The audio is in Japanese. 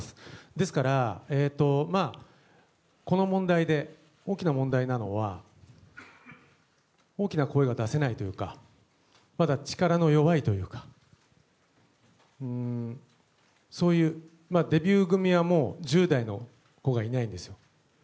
ですから、この問題で大きな問題なのは、大きな声が出せないというか、まだ力の弱いというか、そういうデビュー組はもう１０代の子がいないんですよ。